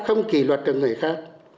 không kỳ luật được người khác